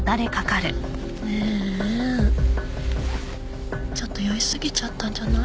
ねえちょっと酔い過ぎちゃったんじゃない？